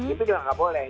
itu juga enggak boleh